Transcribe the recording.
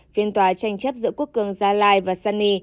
phiên tòa tranh chấp giữa quốc cường ra lại và sunny